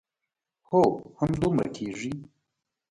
هو همدومره کېږي.